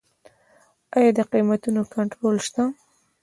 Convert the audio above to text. آیا د قیمتونو کنټرول شته؟